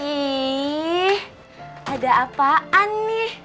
ih ada apaan nih